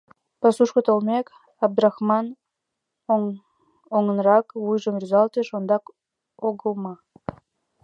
Пасушко толмек, Абдрахман оғынрак вуйжым рӱзалтыш: Ондак огыл ма?